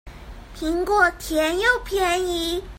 蘋果甜又便宜